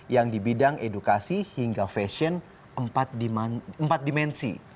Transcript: yang di bidang edukasi hingga fashion empat dimensi